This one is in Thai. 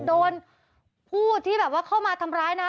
โดนผู้ที่แบบว่าเข้ามาทำร้ายนะ